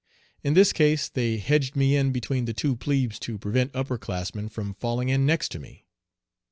In this case they hedged me in between the two plebes to prevent upper classmen from falling in next to me.